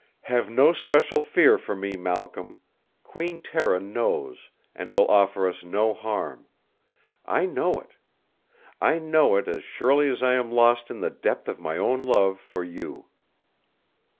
"Have no special fear for me, Malcolm. Queen Tera knows, and will offer us no harm. I know it! I know it, as surely as I am lost in the depth of my own love for you!"